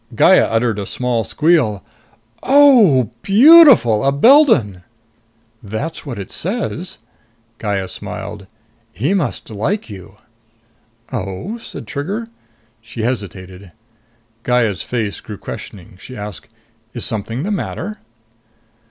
Gaya uttered a small squeal. "Oh! Beautiful! A Beldon!" "That's what it says." Gaya smiled. "He must like you!" "Oh?" said Trigger. She hesitated. Gaya's face grew questioning. She asked, "Is something the matter?"